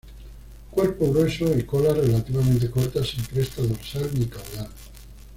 Cuerpo grueso y cola relativamente corta, sin cresta dorsal ni caudal.